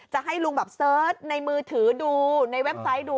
จะให้ลุงแบบเสิร์ชในมือถือดูในเว็บไซต์ดู